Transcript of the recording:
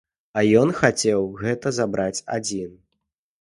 А ён хацеў гэта забраць адзін.